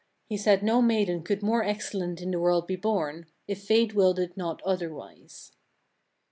He said no maiden could more excellent in the world be born, if fate willed it not otherwise.